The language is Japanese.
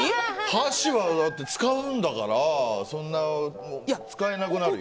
箸は使うんだから使えなくなるよ。